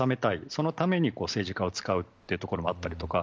そのために政治家を使うというところもあったりとか